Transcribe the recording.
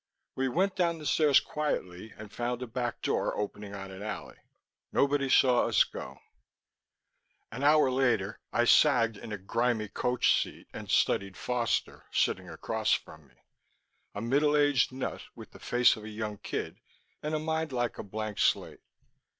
We went down the stairs quietly and found a back door opening on an alley. Nobody saw us go. An hour later, I sagged in a grimy coach seat and studied Foster, sitting across from me a middle aged nut with the face of a young kid and a mind like a blank slate.